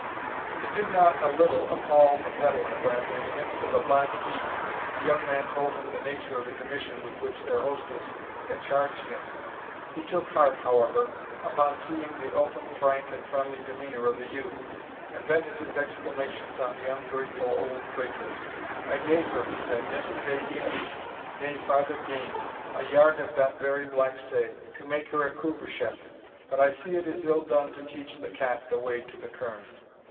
It did not a little appal the pedlar, when, in the midst of a black heath, the young man told him the nature of the commission with which their hostess had charged him. He took heart, however, upon seeing the open, frank, and friendly demeanor of the youth, and vented his exclamations on the ungrateful old traitress. "I gave her," he said, "yesterday e'en nae farther gane, a yard of that very black say, to make her a couvre chef; but I see it is ill done to teach the cat the way to the kirn."